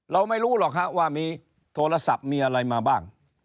เราไม่รู้หรอกฮะว่ามีโทรศัพท์มีอะไรมาบ้าง